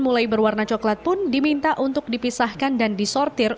mulai berwarna coklat pun diminta untuk dipisahkan dan disortir